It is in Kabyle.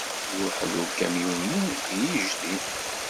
Yewḥel ukamyun-nni deg yijdi.